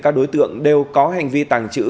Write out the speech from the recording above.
các đối tượng đều có hành vi tàng trữ